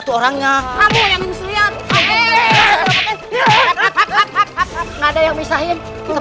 suasanya tidak aman